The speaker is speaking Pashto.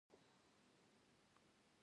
هغه کتابچه خلاصه کړه.